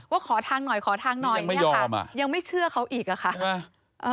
ว่าขอทางหน่อยนี่ค่ะยังไม่เชื่อเขาอีกอะคะนี่ยังไม่ยอมใช่ป่ะ